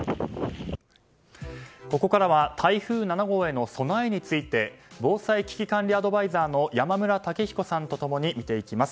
ここからは台風７号への備えについて防災危機管理アドバイザーの山村武彦さんと共に見ていきます。